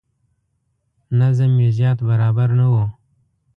نظم یې زیات برابر نه و.